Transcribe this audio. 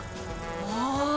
ああ。